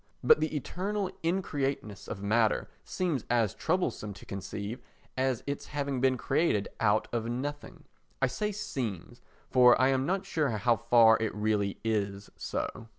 But the eternal increateness of matter seems as troublesome to conceive as its having been created out of nothing. I say "seems," for I am not sure how far it really is so.